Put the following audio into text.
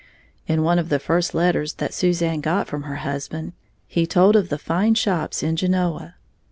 In one of the first letters that Suzanne got from her husband he told of the fine shops in Genoa.